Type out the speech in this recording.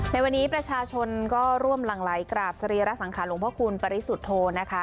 ในวันนี้ประชาชนก็ร่วมหลั่งไหลกราบสรีระสังขารหลวงพระคุณปริสุทธโธนะคะ